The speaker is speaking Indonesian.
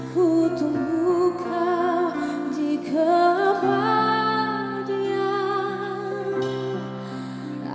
ku tunggu kau di kepadiamu